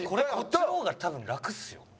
こっちの方が多分楽っすよ。